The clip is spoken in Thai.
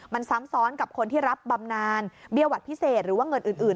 มันซ้ำซ้อนกับคนที่รับบำนานเบี้ยหวัดพิเศษหรือว่าเงินอื่น